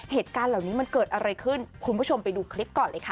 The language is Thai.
เหตุการณ์เหล่านี้มันเกิดอะไรขึ้นคุณผู้ชมไปดูคลิปก่อนเลยค่ะ